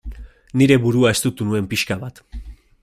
Nire burua estutu nuen pixka bat.